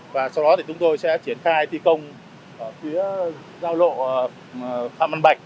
và sau đó thì chúng tôi sẽ triển khai thi công ở phía giao lộ phạm văn bạch